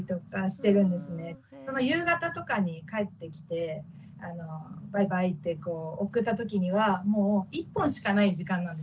夕方とかに帰ってきてバイバイって送ったときにはもう１本しかない時間なんですね